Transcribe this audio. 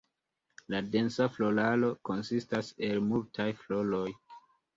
La densa floraro konsistas el multaj floroj.